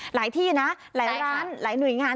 ที่นะหลายร้านหลายหน่วยงาน